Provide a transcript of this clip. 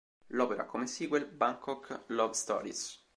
L'opera ha come sequel "Bangkok Love Stories".